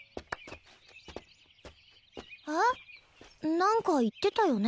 何か言ってたよね